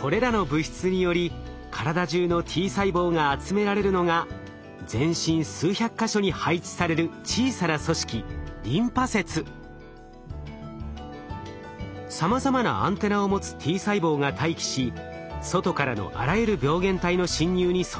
これらの物質により体じゅうのＴ細胞が集められるのが全身数百か所に配置される小さな組織さまざまなアンテナを持つＴ細胞が待機し外からのあらゆる病原体の侵入に備えることができるのです。